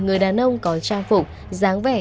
người đàn ông có trang phục dáng vẻ